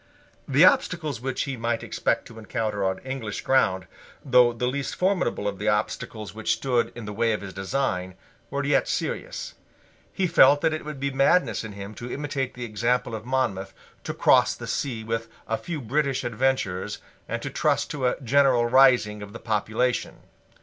The obstacles which he might expect to encounter on English ground, though the least formidable of the obstacles which stood in the way of his design, were yet serious. He felt that it would be madness in him to imitate the example of Monmouth, to cross the sea with a few British adventurers, and to trust to a general rising of the population.